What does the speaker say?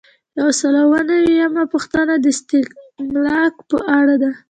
یو سل او اووه نوي یمه پوښتنه د استملاک په اړه ده.